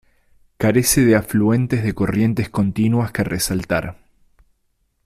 Carece de afluentes de corrientes continuas que resaltar.